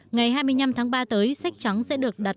ngày hai mươi năm tháng ba tới sách trắng sẽ được đặt